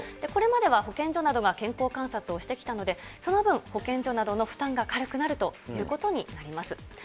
これまでは保健所などが健康観察をしてきたので、その分、保健所などの負担が軽くなるということになります。